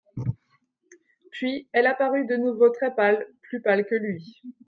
Puis elle apparut de nouveau très pâle, plus pâle que lui.